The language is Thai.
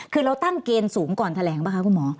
คือเราตั้งเกณฑ์สูงก่อนแถลงป่ะคะคุณหมอ